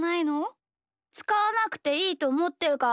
つかわなくていいとおもってるからだよ。